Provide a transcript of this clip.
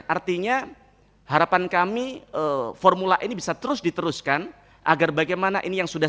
artinya harapan kami formula e ini bisa terus diteruskan agar bagaimana ini yang sudah